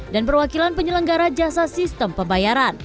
dan perwakilan penyelenggara jasa sistem pembayaran